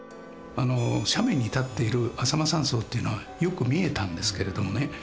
あの斜面に建っているあさま山荘っていうのはよく見えたんですけれどもね